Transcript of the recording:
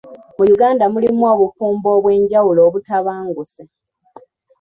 Mu Uganda mulimu obufumbo obw'enjawulo obutabanguse.